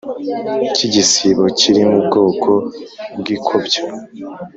ki gisigo kiri mu bwoko bwi kobyo”